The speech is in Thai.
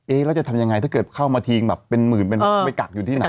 แล้วจะทำยังไงถ้าเกิดเข้ามาทีงแบบเป็นหมื่นเป็นไปกักอยู่ที่ไหน